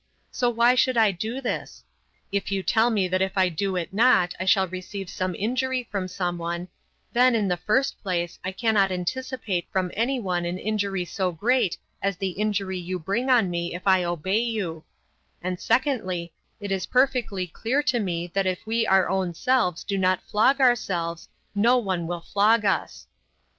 So why should I do this? If you tell me that if I do it not I shall receive some injury from someone, then, in the first place, I cannot anticipate from anyone an injury so great as the injury you bring on me if I obey you; and secondly, it is perfectly clear to me that if we our own selves do not flog ourselves, no one will flog us.